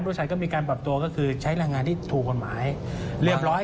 มีการปรับตัวก็คือใช้แรงงานที่ถูกกฎหมายเรียบร้อย